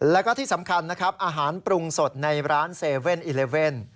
แล้วก็ที่สำคัญนะครับอาหารปรุงสดในร้าน๗๑๑